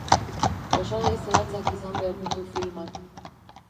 Osagai zehatzak izan behar ditu filmak.